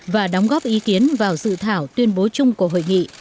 và đóng góp ý kiến vào dự thảo tuyên bố chung của hội nghị